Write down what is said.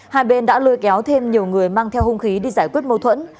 hai bên đã lôi kéo thêm nhiều người mang theo hung khí đi giải quyết mâu thuẫn